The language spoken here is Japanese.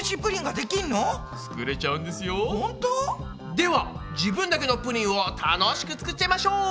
では自分だけのプリンをたのしく作っちゃいましょう！